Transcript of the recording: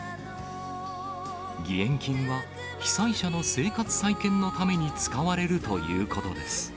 義援金は、被災者の生活再建のために使われるということです。